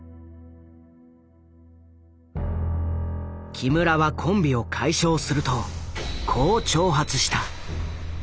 木村はコンビを解消するとこう挑発した。